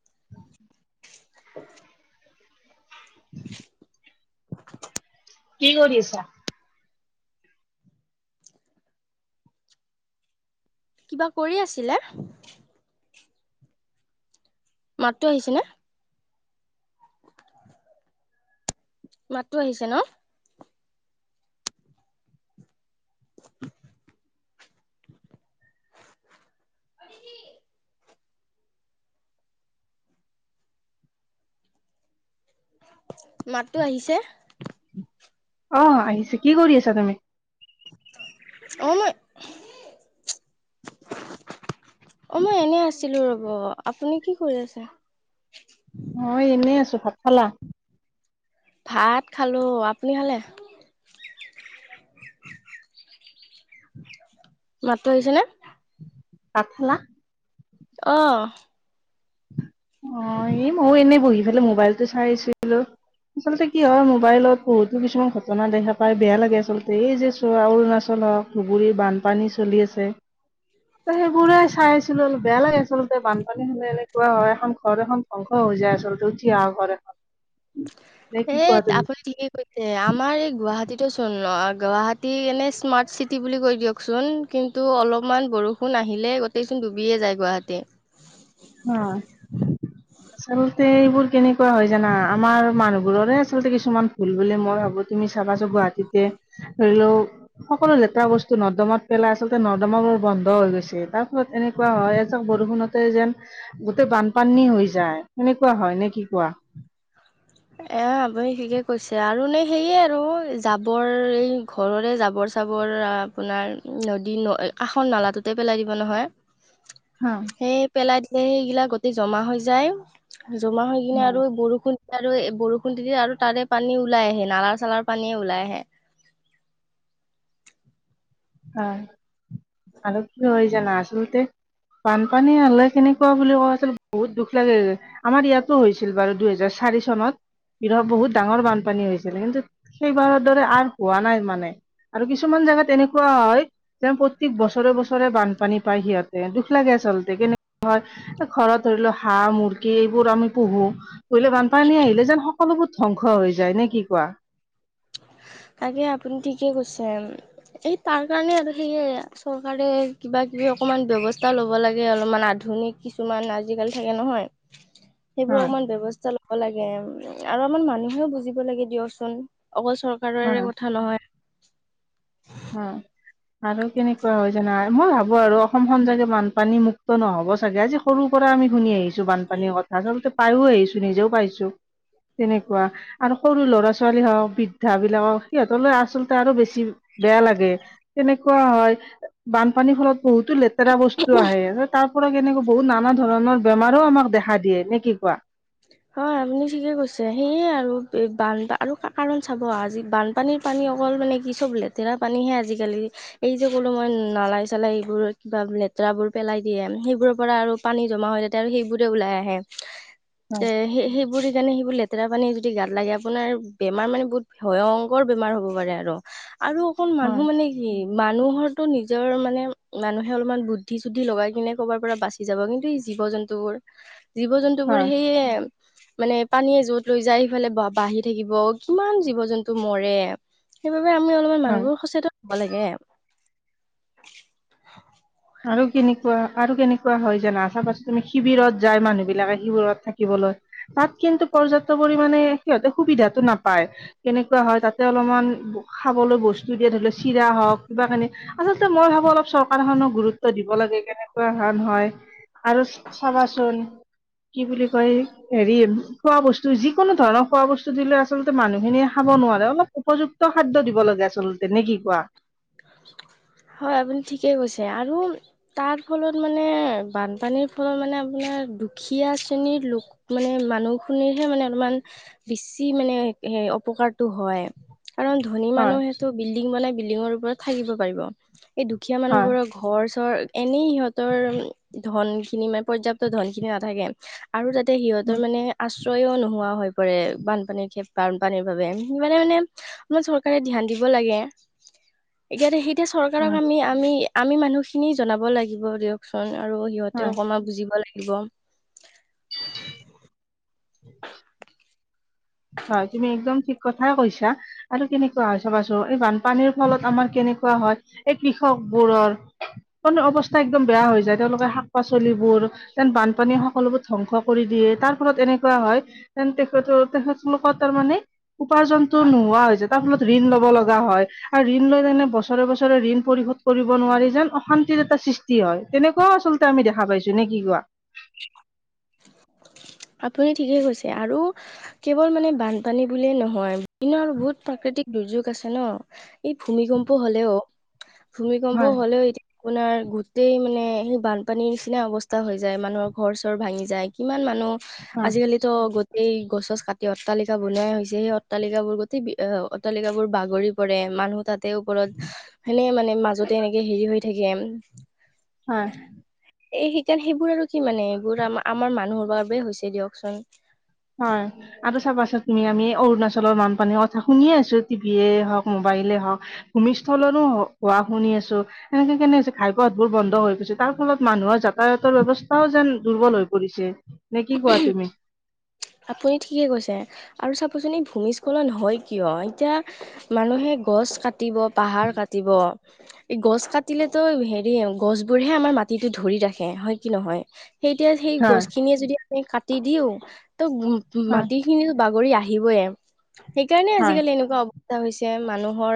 [unintelligible] কি কৰি আছা? কিবা কৰি আছিলে? মাততো আহিছে নে? মাতটো আহিছে ন? কি মাততো আহিছে? অ' আহিছে, কি কৰি আছা তুমি? অ, মই [unintelligible] অ, মই এনে আছিলো ৰ'ব, আপুনি কি কৰি আছে? মই এনেই আছো ভাত খালা? ভাত খালো। আপুনি খালে? মাতটো আহিছে নে? ভাত খালা? আহ। অ, এই ময়ো এনেই বহি ফালে মোবাইলটো চাই আছিলো। আচলতে কি হয় মোবাইলত বহুতো কিছুমান ঘটনা দেখা পাই বেয়া লাগে, আচলতে এই যে চোৱা অৰুণাচল ধুবুৰী বানপানী চলি আছে। সেইবোৰে চাই আছিলো অলপ বেয়া লাগে আচলতে বানপানী হ'লে এনেকে ওৱা হয় এখন ঘৰ এখন ধ্বংস হৈ যায় আচলতে উঠি অহা ঘৰ এখন। নে কি এ কোৱা তুমি? আপুনি ঠিকেই কৈছে। আমাৰ এই গুৱাহাটী চোন গুৱাহাটী এনে স্মাৰ্ট চিটি বুলি কৈ দিয়ক চোন। কিন্তু অলপমান বৰষুণ আহিলে গোটেই চোন ডুবিয়ে যায় গুৱাহাটী। অ'। [unintelligible] আচলতে এইবোৰ কেনেকুৱা হয় জানা, আমাৰ মানুহ বোৰৰে আচলতে কিছুমান ভুল বুলি মই ভাবো, তুমি ভাবাচোন গুৱাহাটীতে ধৰি লওঁ, সকলো লেতেৰা বস্তু নৰ্দমাত পেলাই আচলতে নৰ্দমাবোৰ বন্ বন্ধ হৈ গৈছে। তাৰ ফলত এনেকুৱা হয় এজাক বৰষুণতে যেন গোটেই বানপানী হৈ যায়, সেনেকুৱা হয়। নে কি কোৱা? [inaudible] এ আপুনি ঠিকে কৈছে। আৰু নে সেয়ে আৰু জাবৰ এই ঘৰৰে জাবৰ-চাবৰ আপোনাৰ নদী ন আসৰ নালাটোতে পেলাই দিব নহয়। হয় সেই পেলাই দিলে সেইগিলা গোটে জমা হৈ যায়। জমা হৈ কিনে হয় আৰু বৰসু ন আৰু বৰষুণ দিদি আৰু তাৰে পানী ওলাই আহে নালা চালাৰ পানীয়ে ওলাই আহে। আহ আৰু কি হৈ জানা? আচলতে বানপানী হ'লে কেনেকুৱা বুলি কোৱা আচলতে বহুত দুখ লাগে। আমাৰ ইয়াতো হৈছিল বাৰু দুহেজাৰ চাৰি চনত। ৰ বহুত ডাঙৰ বানপানী হৈছিল। কিন্তু সেইবাৰৰ দৰে আৰ হোৱা নাই মানে। আৰু কিছুমান জেগাত তেনেকু কুৱা হয় যে প্ৰত্যেক বছৰে বছৰে বানপানী পায় সিহঁতে। দুখ লাগে আচলতে কেনেকুৱা হয়। ঘৰত ধৰি লও হাঁহ-মুৰ্গী এইবোৰ আমি পুহো। লে বানপানী আহিলে যেন সকলোবোৰ ধ্বংস হৈ যায়, নে কি কোৱা? তাকে, আপুনি ঠিকে কৈছে। এই তাৰ কাৰণে আৰু সেয়ে চৰকাৰে কিবা-কিবি অকণমান ব্যৱস্থা ল'ব লাগে। অলপমান আধ ধুনিক কিছুমান আজিকালি থাকে নহয়। সেইবোৰ হয় অকমান ব্যৱস্থা ল'ব লাগে। উ আৰু আমাৰ মানুহেও বুজিব লাগে দিয়চোন। অকল চ কাৰৰে হয় কথা নহয়। [unintelligible] আৰু কেনেকুৱা হয় জানা মই ভাবো আৰু অসমখন চাগে বানপানী মুক্ত নহ'ব চাগে আজি সৰু পৰা আমি শুনি আহিছোঁ বানপানীৰ কথা আচলতে পাইও আহিছোঁ নিজেও পাইছোঁ। তেনেকুৱা আৰু সৰু ল'ৰা ছোৱালী হওঁক বৃদ্ধাবিলাকক সিহঁতলৈ আচলতে আৰু বেছি বেয়া লাগে, তেনেকুৱা হয় বানপানীৰ ফলত বহুতো লেতেৰা বস্তু আহে তাত তাৰ পৰা কেনেকৈ বহুত নানা ধৰণৰ বেমাৰো আমাক দেখা দিয়ে নে কি কোৱা। হয় আপুনি ঠিকে কৈছে সেয়ে আৰু বান আৰু কাৰণ চাব আজি বানপানীৰ পানী অকল মানে কি চব লেতেৰা পানীহে আজিকালি, এই যে ক'লো মই নালাই চালাই এইবোৰ কিবা বোলে লেতেৰাবোৰ পেলাই দিয়ে সেইবোৰৰ পৰা আৰু পানী জমা হয় যাতে আৰু সেইবোৰে ওলাই আহে। হয় এ সেই সেইবোৰ সেইকাৰণে সেই লেত লেতেৰা পানী যদি গাত লাগে আপোনাৰ বেমাৰ মানে বহুত ভয়ংকৰ বেমাৰ হ'ব পাৰে আৰু। আৰু অকণ হয় মানুহ মানে কি মানুহৰো নিজ নিজৰ মানে মানুহে অলপমান বুদ্ধি চুদ্ধি লগাই কিনে ক'ৰবাৰ পৰা বাচি যাব কিন্তু এই জীৱ জন্তুবোৰ জীৱ জন্তুবোৰ হয় সেয়ে মানে পানীয়ে য'ত লৈ যায় সিফালে বা বাঢ়ি থাকিব কিমান জীৱ জন্তু মৰে। সেইবাবে আমি অলপমান হয় মানুহবোৰ সচেতন হ'ব লাগে আৰু। আৰু কেনেকুৱা আৰু কেনেকুৱা হয় জানা চাবাচোন তুমি শিবিৰত যায় মানুহবিলাকে শিবিৰত থাকিবলৈ। তাত কিন্তু পৰ্যাপ্ত পৰিমমানে সিহঁতে সুবিধাটো নাপায় কেনেকুৱা হয় তাতে অলপমান খাবলৈ বস্তু দিয়ে ধৰি লওঁ চিৰা হওঁক কিবা কিনি আচলতে মই ভাবো অলপ চৰকাৰখনে গুৰুত [unintelligible] দিব লাগে কেনেকুৱা ধৰণ হয় আৰু চাবাচোন কি বুলি কয় হেৰি খোৱা বস্তু যিকোনো ধৰণৰ খোৱা বস্তু দিলে আচলতে মানুহখিনিয়ে খাব [unintelligible] নোৱাৰে অলপ উপযুক্ত খাদ্য দিব লাগে আচলতে নে কি কোৱা। [unintelligible] হয় আপুনি ঠিকে কৈছে আৰু তাৰ ফলত মানে বানপানীৰ ফলত মানে আপোনাৰ দুখীয়া শ্ৰেণীৰলোক মানে মানুহ খুনিৰহে মানে অলপমান বেছি মানে সেই অপকাৰতো হয়। কাৰণ ধনী হয় মানুহেটো বিল্ডিং বনাই বিল্ডিঙৰ ওপৰত থাকিব পাৰিব। এই দুখীয়া হয় মানুহবোৰৰ ঘৰ চৰ এনেই সিহঁতৰ ধন খিনি মানে পৰ্যাপ্ত ধন খিনি নাথাকে, আৰু তাতে হয় সিহঁতৰ মানে আশ্ৰয়ও নোহোৱা হয় কৰে বানপানীৰ খে বানপানীৰ বাবে সেই মানে মানে চৰকাৰে ধ্যান দিব লাগে। এতিয়াতো সেইটো চৰকাৰক হয় আমি আমি আমি মানুহখিনি জনাব লাগিব দিয়কচোন। আৰু হয় সিহঁতেও অকমান বুজিব লাগিব। হয় তুমি একদম ঠিক কথা কৈছা আৰু কেনেকুৱা হয় চাবাচোন এই বানপানীৰ ফলত আমাৰ কেনেকুৱা হয় এই কৃষক বোৰৰ মানে অৱস্থা একদম বেয়া হৈ যায় তেওঁলোকে শাক পাচলিবোৰ যেন বানপানী সক [unintelligible] ধ্বংস কৰি তাৰ ফলত এনেক হয় তেখেতৰ তেখেতলোকৰ তাৰ মানে উপাৰ্জনটো নোহোৱা হৈ যায় তাৰ ফলত ঋণ ল'ব লগা হয় আৰু ঋণ লৈ তেনে বছৰে বছৰে ঋণ পৰিশোধ কৰিব নোৱাৰি যেন অশান্তিৰ এটা সৃষ্টি হয় তেনেকুৱাও আচলতে আমি দেখা পাইছোঁ নে কি কোৱো। [inaudible] আপুনি ঠিকে কৈছে আৰু কেৱল মানে বানপানী বুলিয়ে নহয়। [unintelligible] বহুত প্ৰাকৃতিক দুৰ্যোগ আছে ন' এই ভূমিকম্প হ'লেও ভূমিকম্প হয় হ'লেও এতিয়া আপোনাৰ গোটই মানে সেই বানপানীৰ নিচিনা অৱস্থা হৈ যায় মানুহৰ। ঘৰ চৰ ভাঙি যায় কিমান মানুহ হয় আজিকালিতো গো এই গছ কাটি অট্টালিকা বনাই হৈছে সেই অট্টালিকা বোৰ গোটেই বি অ' অট্টালিকাবোৰ বাগৰি পৰে। মানুহ তাতে ওপৰত সেনে মানে মাজতে এনেকে হেৰি হৈ থাকে। হয়। এই সেইকাৰণে সেইবোৰ আৰু কি মানে এইবোৰ আমাৰ আমাৰ মানুহৰ বাবে হৈছে দিয়কচোন। হয় আৰু চাবাচোন তুমি আমি অৰুণাচলৰ বানপানীৰ কথা শুনিয়ে আছোঁ টিভিয়ে হওঁক মোবাইল পাৰিলে হওঁক ভূমিস্থলনৰো হ হোৱা শুনি আছোঁ এনেকে কেনে হৈছে ঘাই পথবোৰ বন্ধ হৈ গৈছে তা [unintelligible] ফলত মানুহৰ যাতায়াতৰ ব্যৱস্থাও যেন দুৰ্বল হৈ পৰিছে নে কি কোৱা তুমি। আপুনি ঠিকে কৈছে আৰু চাবচোন ভূমিস্খলন হয় কিয় এতিয়া মানুহে গছ কাট কাটিব পাহাৰ কাটিব। এই গছ কাটিলেতো হেৰি গছবোৰহে আমাৰ মাটিতো ধৰি ৰাখে হয় কি নহয়। সেইতিয়া সেই হয় গছখিনিয়ে যদি আমি কাটি দিওঁ ত' ম-ম- হয় মাটিখিনি বাগৰি আহিবই, সেইকাৰণে হয় আজিকালি এনেকুৱা [unintelligible] হৈছে মানুহৰ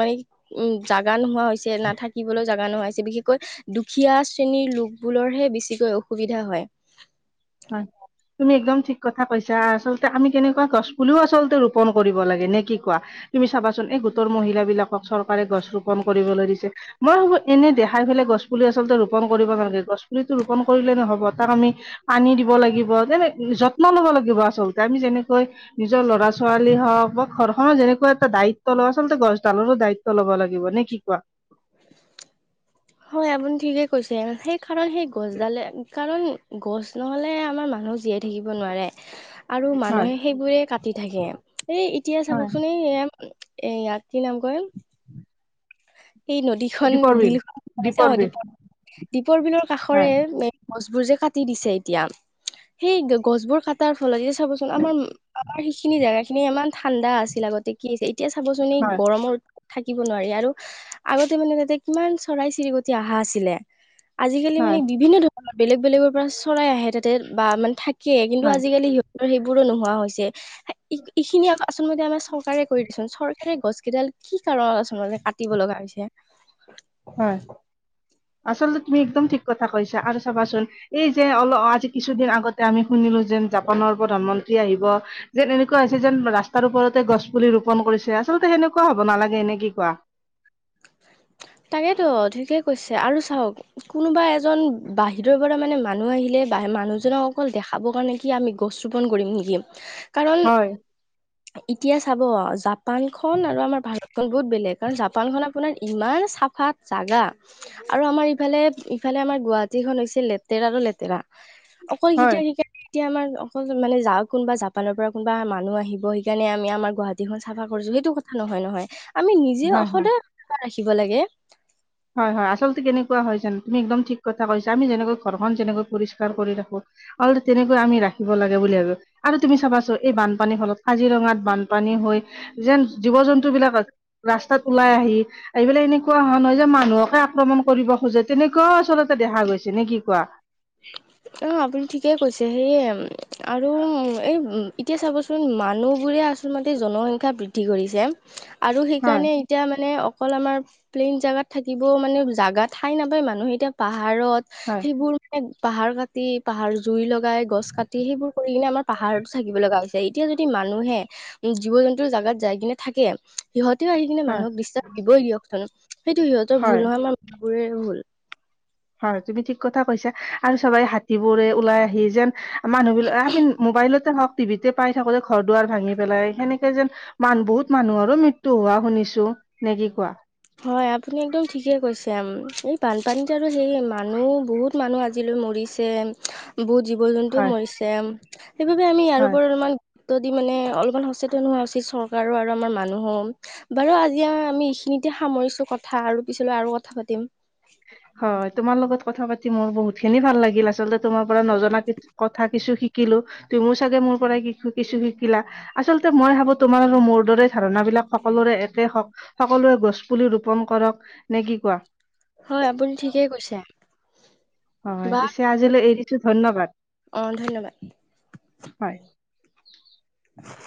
মানে উম, জাগা নোহোৱা হৈছে নাথাকিবলৈও জাগা নোহোৱা হৈছে। বিশেষকৈ দুখীয়া শ্ৰেণীৰ লোকবোৰৰহে বেছিকৈ অসুবিধা হয়। হয়। তুমি একদম ঠিক কথা কৈছা আচলতে আমি কেনেকুৱা গছ পুলিও আচলতে ৰোপন কৰিব লাগে নে কি কোৱা। তুমি চাবাচোন এই গোটৰ মহিলাবিলাকক চৰকাৰে গছ ৰোপন কৰিবলৈ দিছে। মই ভাবো এনে দেখাই পেলাই গছ পুলি আচলতে ৰোপন কৰিব নালাগে গছ পুলিটো ৰোপন কৰিলে নহ'ব তাক আমি পানী দিব লাগিব তেনে যত্ন ল'ব লাগিব আচলতে আমি যেনেকৈ নিজৰ ল'ৰা ছোৱালী হওঁক [unintelligible] ঘৰখনৰ যেনেকুৱা এটা দায়িত্ব লয় আচলতে গছডালৰো দায়িত্ব ল'ব লাগিব নে কি কোৱা। হয় আপুনি ঠিকে কৈছে সেই কাৰণ সেই গছডালে কাৰণ গছ নহ'লে আমাৰ মানুহ জীয়াই থাকিব নোৱাৰে। আৰু হয় মানুহে সেইবোৰে কাটি থাকে, এ এতিয়া হয় চাবকচোন এই এইয়া কি নাম কয়। এই নদীখন দীপৰ বিল [inaudible] দীপৰ বিল দ্বীপৰ বিলৰ কাষৰে হয় গছবোৰ যে কাটি দিছে এতিয়া। সেই গছবোৰ কটাৰ ফলত এতিয়া চাবচোন আমাৰ আমাৰ সেইখিনি জেগা খিনি ইমান ঠাণ্ডা আছিল লগতে কি আছে এতিয়া চাবচোন এই হয় গৰমত থাকিব নোৱাৰি আৰু আগতে মানে তাতে কিমান চৰাই চিৰিকটি অহা আছিলে, আজিকালি মানে হয় বিভিন্ন ধৰণ বেলেগ বেলেগৰ পৰা চৰাই আহে তাতে বা মানে থাকে কিন্তু হয় আজিকালি সিহঁত সেইবোৰো নোহোৱা হৈছে, এইখিনি আচলতে আমাৰ চৰকাৰে কৰি দিচোন চৰকাৰে গছ কেইডাল কি কাৰণ [unintelligible] যে কাটিব লগা হৈছে। হয়। আচলতে তুমি একদম ঠিক কথা কৈছা আৰু চাবাচোন এই যে অলপ আজি কিছুদিন আগতে আমি শুনিলোঁ যেন জাপানৰ প্ৰধানমন্ত্ৰী আহিব যেন এনেকুৱা হৈছে যেন ৰাস্তাৰ ওপৰতে গছ পুলি ৰোপন কৰিছে। আচলতে সেনেকুৱা হ'ব নালাগে এনে কি কোৱা। [inaudible] এইটো ঠিকে কৈছে আৰু চাওঁক কোনোবা এজন বাহিৰৰ পৰা মানে মানুহ আহিলে বা মান মানুহজনক অকল দেখাব কাৰণে কি আমি গছ ৰুপোন কৰিম নেকি। কাৰণ, হয় এতিয়া চাব জাপানখন আৰু আমাৰ ভাৰত খন বহুত বেলেগ কাৰণ জাপানখন আপোনাৰ ইমান চাফা জাগা আৰু আমাৰ ইফালে ইফালে আমাৰ গুৱাহাটীখন হৈছে লেতেৰা লেতেৰা অকল হয় [unintelligible] এতিয়া আমাৰ অকল মানে যাওঁ কোনোবা জাপানৰ পৰা কোনোবা মানুহ আহিব সেইকাৰণে আমি আমাৰ গুৱাহাটীখন চাফা কৰিছোঁ। সেইটো কথা নহয় নহয় আমি নিজেও হয় হয় সদায় [inaudible] ৰাখিব লাগে। হয় হয় আচলতে কেনেকুৱা হয় জানো তুমি একদম ঠিক কথা কৈছা আমি যেনেকৈ ঘৰখন যেনেকৈ পৰিষ্কাৰ কৰি ৰাখোঁ। আৰু তেনেকৈ আমি ৰাখিব লাগে বুলি ভাবি আৰু তুমি চাবাচোন এই বানপানীৰ ফলত কাজিৰঙাত বানপানী [unintelligible] যেন জীৱ জন্তুবিলাক ৰাস্তাত ওলাই আহি এইবিলাক এনেকুৱা হয় নহয় যে মান মানুহকে আক্ৰমণ কৰিব খোজে তেনেকুৱাও আচলতে দেখা গৈছে নে কি কোৱা। অ' আপুনি ঠিকে কৈছে সেয়ে। আৰু এই এতিয়া চাবচোন মানুহবোৰে আচলমতে জনসংখ্যা বৃদ্ধি কৰিছে। আৰু হয়, সেইকাৰণে এতিয়া মানে অকল আমাৰ প্লেইন জেগাত থাকিবও মানে জাগা ঠাই নাপায় মানুহে এতিয়া পাহ পাহাৰত হয়, সেইবোৰ মানে পাহাৰ কাটি পাহাৰ জুই লগাই গছ কাটি সেইবোৰ কৰি কিনে আমাৰ পাহাৰতো থাকিব লগা হৈছে এতিয়া যদি মানুহে উম, জীৱ জন্তুৰ জাগাত যাই কিনে থাকে। সিহঁতেও আহি কিনে হয়, মানুহক ডিষ্টাৰ্ব দিবই দিয়কচোন সেইটো সিহঁতৰ হয়। ভুল নহয় [unintelligible] ভুল হয় তুমি ঠিক কথা কৈছা আৰু চাবা এই হাতীবোৰে ওলাই আহি যেন মানুহবিলাক আমি মোবাইলত [unintelligible] টিভিতে পাই থাকোতে যে ঘৰ দুৱাৰ ভাঙি পেলাই সেনেকে যেনান বহুত মানুহৰো মৃত্যু হোৱা শুনিছ [unintelligible] নে কি কোৱা। হয় আপুনি একদম ঠিকে কৈছে, এই বানপানীত আৰু হেৰি মানুহ বহুত মানুহ আজিলৈক মৰিছে বহুত জীৱ জন্তুও হয় মৰিছে, সেইবাবে আমি ইয়াৰ হয় ওপৰত অলমান [unintelligible] মানে অলপমান সচেতন হোৱা উচিত চৰকাৰো আৰু আমাৰ মানুহো বাৰু আজি আমি এইখিনি এতিয়া সামৰিছোঁ কথা আৰু পিছলৈ আৰু কথা পাতিম। হয় তোমাৰ লগত কথা পাতি মোৰ বহুত খিনি ভাল লাগিল আচলতে তোম [unintelligible] পৰা নজনা কথা কিছু শিক শিকিলোঁ তুমিও চাগে মোৰ পৰাই কিশু কিছু শিকিলা, আচলতে মই ভাবো তোমাৰ আৰু মোৰ দৰে ধাৰণা বি [unintelligible] সকলোৰে একে সকলোৱে গছ পুলি ৰোপন কৰক নে কি কোৱা। হয় আপুনি ঠিকে কৈছে। হয় বা পিছে আজিলৈ এৰিছোঁ ধন্যবাদ। অ ধন্যবাদ হয়।